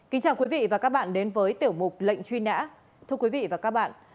kính chào quý vị và các bạn